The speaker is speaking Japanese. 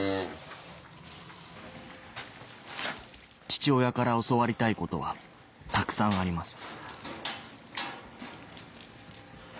父親から教わりたいことはたくさんあります